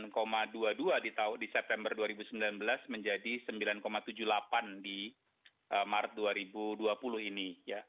di tahu di september dua ribu sembilan belas menjadi sembilan tujuh puluh delapan di maret dua ribu dua puluh ini